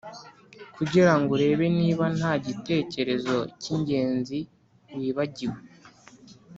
kugira ngo urebe niba nta gitekerezo k’ingenzi wibagiwe.